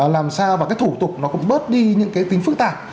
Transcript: làm sao mà cái thủ tục nó cũng bớt đi những cái tính phức tạp